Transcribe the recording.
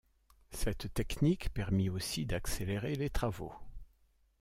Cette technique permit aussi d'accélérer les travaux.